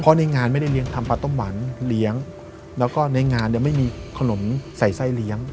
เพราะในงานไม่ได้เลี้ยงทำปลาต้มหวานเลี้ยงแล้วก็ในงานเนี่ยไม่มีขนมใส่ไส้เลี้ยง